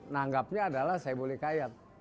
nanggapnya adalah sohibul hikayat